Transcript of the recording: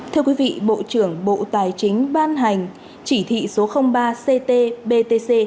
thưa quý vị bộ trưởng bộ tài chính ban hành chỉ thị số ba ct btc